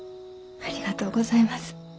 ありがとうございます。